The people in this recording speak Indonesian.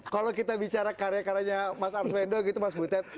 kalau kita bicara karya karyanya mas arswendo gitu mas butet